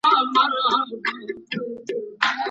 که ئې په اثبات مکلف کړو.